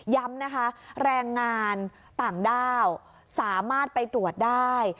ย้ำนะคะแรงงานต่างด้าวสามารถไปตรวจได้